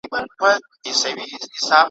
زولنې را څخه تښتي کنه راغلم تر زندانه `